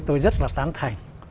tôi rất là tán thành